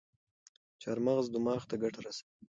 چارمغز دماغ ته ګټه رسوي.